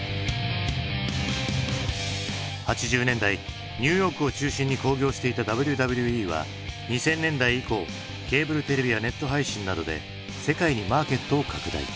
８０年代ニューヨークを中心に興行していたＷＷＥは２０００年代以降ケーブルテレビやネット配信などで世界にマーケットを拡大。